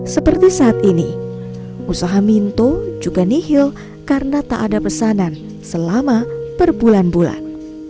seperti saat ini usaha minto juga nihil karena tak ada pesanan selama berbulan bulan